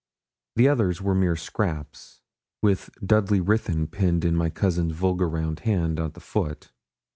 The others were mere scraps, with 'Dudley Ruthyn' penned in my cousin's vulgar round hand at the foot.